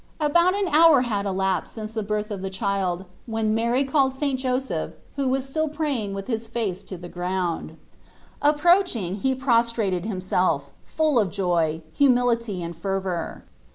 About an hour had elapsed since the birth of the child, when Mary called St. 86 Ube IttatfvitE of Joseph, who was still praying with his face to the ground. Approaching, he prostrated himself, full of joy, humility, and fervour.